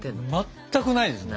全くないですね。